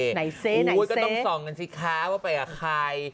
ไหนสิก็ต้องส่องกันสิคะว่าไปกับใคร